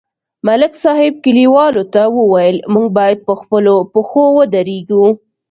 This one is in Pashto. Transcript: ملک صاحب کلیوالو ته وویل: موږ باید په خپلو پښو ودرېږو